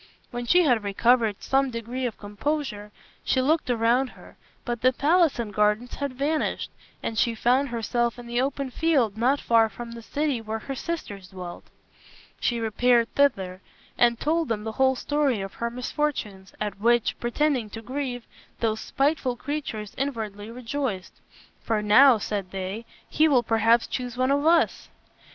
When she had recovered some degree of composure she looked around her, but the palace and gardens had vanished, and she found herself in the open field not far from the city where her sisters dwelt. She repaired thither and told them the whole story of her misfortunes, at which, pretending to grieve, those spiteful creatures inwardly rejoiced. "For now," said they, "he will perhaps choose one of us."